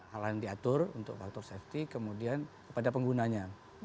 hal hal yang diatur untuk faktor safety kemudian kepada penggunanya